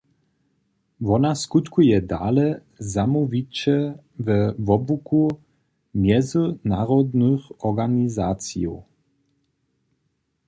Wona skutkuje dale zamołwiće we wobłuku mjezynarodnych organizacijow.